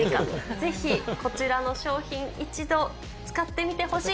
ぜひ、こちらの商品、一度使ってみてほしい。